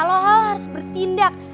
lo harus bertindak